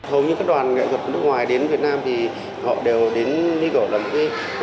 hầu như các đoàn nghệ thuật nước ngoài đến việt nam thì họ đều đến như kiểu là một cái